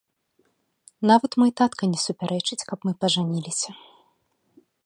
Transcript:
Нават мой татка не супярэчыць, каб мы пажаніліся.